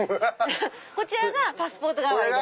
こちらがパスポート代わりで。